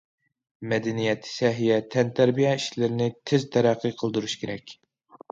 مەدەنىيەت، سەھىيە، تەنتەربىيە ئىشلىرىنى تېز تەرەققىي قىلدۇرۇش كېرەك.